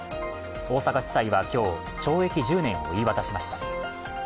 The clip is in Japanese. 大阪地裁は今日、懲役１０年を言い渡しました。